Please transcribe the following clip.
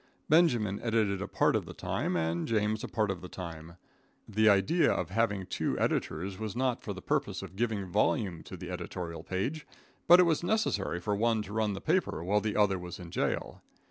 Benjamin edited a part of the time and James a part of the time. The idea of having two editors was not for the purpose of giving volume to the editorial page, but it was necessary for one to run the paper while the other was in jail.